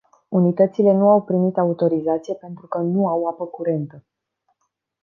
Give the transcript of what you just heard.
Unitățile nu au primit autorizație pentru că nu au apă curentă.